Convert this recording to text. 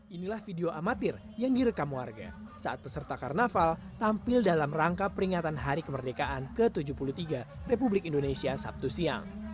inilah video amatir yang direkam warga saat peserta karnaval tampil dalam rangka peringatan hari kemerdekaan ke tujuh puluh tiga republik indonesia sabtu siang